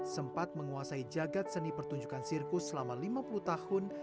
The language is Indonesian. sempat menguasai jagad seni pertunjukan sirkus selama lima puluh tahun